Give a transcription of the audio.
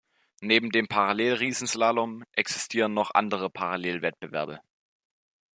Neben dem Parallel-Riesenslalom existieren noch andere Parallel-Wettbewerbe.